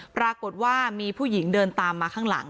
ปรากฏว่ามีผู้หญิงเดินตามมาข้างหลัง